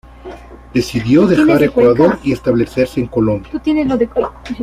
Decidió dejar Ecuador y establecerse en Colombia.